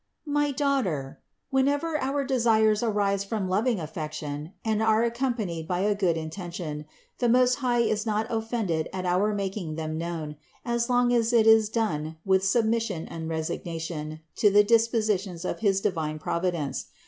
268. My daughter, whenever our desires arise from loving affection and are accompanied by a good inten tion, the Most High is not offended at our making them known, as long as it is done with submission and resigna tion to the dispositions of his divine Providence.